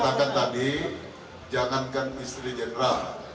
saya katakan tadi jangankan istri jenderal